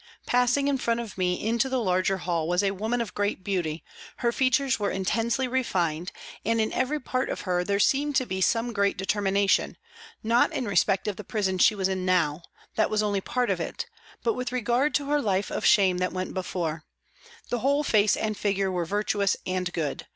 Passing in front of me into the larger hall was a woman of great beauty, her features were intensely refined, and in every part of her there seemed to be some great determination, not in respect of the prison she was in now, that was only part of it, but with regard to her life of shame that went before ; the whole face and figure were virtuous and good.